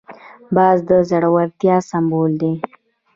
باز د زړورتیا سمبول دی